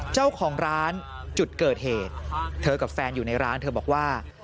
เจ้าของร้านจุดเกิดเหตุเธอกับแฟนอยู่ในร้านเธอบอกว่า